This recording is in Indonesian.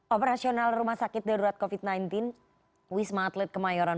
operasional rumah sakit darurat covid sembilan belas wisma atlet kemayoran